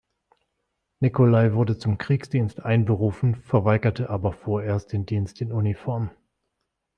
Nicolai wurde zum Kriegsdienst einberufen, verweigerte aber vorerst den Dienst in Uniform.